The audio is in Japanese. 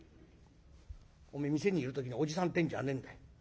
「おめえ店にいる時におじさんってんじゃねえんだよ。